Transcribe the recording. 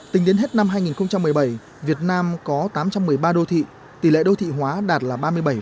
tính đến hết năm hai nghìn một mươi bảy việt nam có tám trăm một mươi ba đô thị tỷ lệ đô thị hóa đạt là ba mươi bảy